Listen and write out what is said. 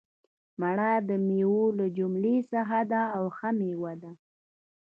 مڼه دمیوو له جملي څخه ده او ښه میوه ده